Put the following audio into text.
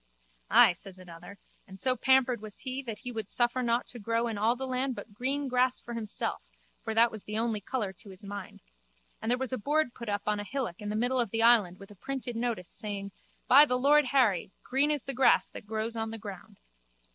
Ay, says another, and so pampered was he that he would suffer nought to grow in all the land but green grass for himself (for that was the only colour to his mind) and there was a board put up on a hillock in the middle of the island with a printed notice, saying: By the Lord Harry, Green is the grass that grows on the ground.